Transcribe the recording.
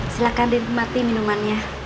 silahkan dinikmati minumannya